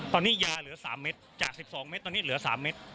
ตอนนี้ยาเหลือ๓เม็ดจาก๑๒เม็ดตอนนี้เหลือ๓เม็ด